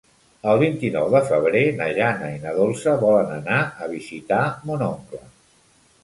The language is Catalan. El vint-i-nou de febrer na Jana i na Dolça volen anar a visitar mon oncle.